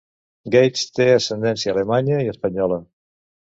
Gates té ascendència alemanya i espanyola.